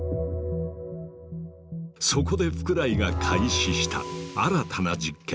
そこで福来が開始した新たな実験。